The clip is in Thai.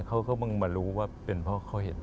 เขาก็เพิ่งมารู้ว่าเป็นเพราะเขาเห็น